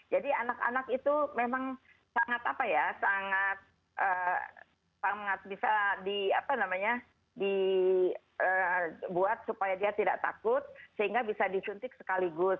jadi anak anak itu memang sangat apa ya sangat bisa dibuat supaya dia tidak takut sehingga bisa disuntik sekaligus